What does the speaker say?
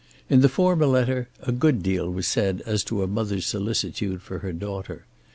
In the former letter a good deal was said as to a mother's solicitude for her daughter.